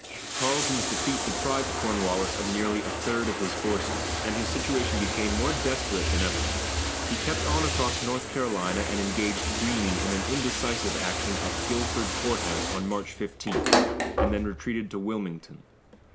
Tarleton's defeat deprived Cornwallis of nearly a third of his forces, and his situation became more desperate than ever. He kept on across North Carolina and engaged Greene in an indecisive action at Guilford Court House on March 15, and then retreated to Wilmington.